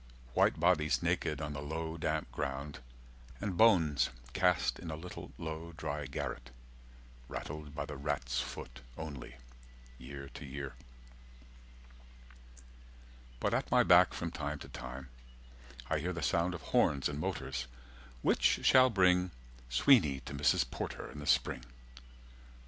White bodies naked on the low damp ground And bones cast in a little low dry garret, Rattled by the rat's foot only, year to year. But at my back from time to time I hear The sound of horns and motors, which shall bring Sweeney to Mrs. Porter in the spring.